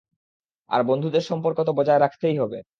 আর বন্ধুদের সম্পর্ক তো বজায় রাখতেই হবে।